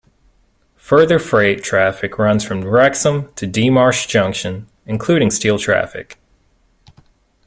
Further freight traffic runs from Wrexham to Dee Marsh Junction, including steel traffic.